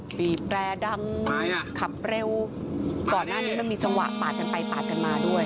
บีบแรดังขับเร็วก่อนหน้านี้มันมีจังหวะปาดกันไปปาดกันมาด้วย